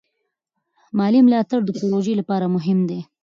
مالي ملاتړ د پروژو لپاره مهم دی.